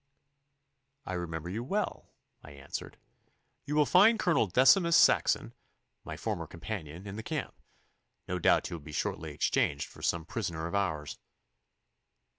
'I remember you well,' I answered. 'You will find Colonel Decimus Saxon, my former companion, in the camp. No doubt you will be shortly exchanged for some prisoner of ours.